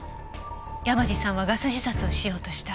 山路さんはガス自殺をしようとした。